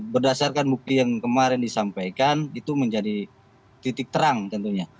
berdasarkan bukti yang kemarin disampaikan itu menjadi titik terang tentunya